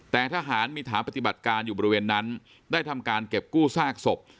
แต่ทหารมีฐานปฏิบัติการอยู่บริเวณนั้นได้ทำการเก็บกู้ซากศพ